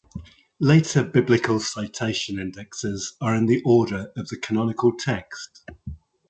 Later biblical citation indexes are in the order of the canonical text.